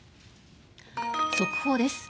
速報です。